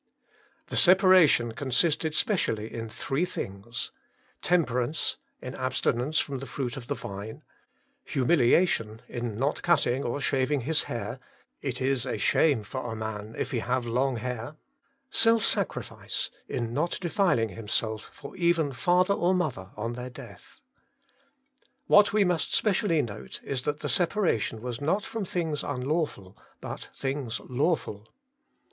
The separation consisted specially in three things temperance, in abstinence from the fruit of the vine ; humiliation, in not cutting or shaving his hair (' it is a shame for a man if he have long hair '); self sacrifice, in not defiling himself for even father or mother, on their death. What we must specially note is that the separation was not from things unlawful, but things lawful.